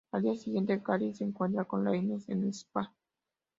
Al día siguiente, Carrie se encuentra con Lynne en el spa.